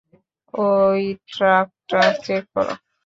ওই ট্রাকটা চেক কর।